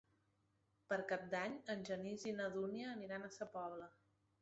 Per Cap d'Any en Genís i na Dúnia aniran a Sa Pobla.